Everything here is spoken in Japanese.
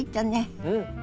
うん。